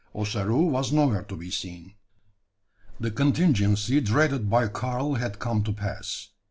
Ossaroo was nowhere to be seen! The contingency dreaded by Karl had come to pass.